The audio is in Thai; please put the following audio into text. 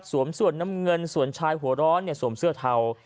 ส่วนน้ำเงินส่วนชายหัวร้อนสวมเสื้อเทา